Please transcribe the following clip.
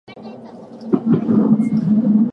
青森県五戸町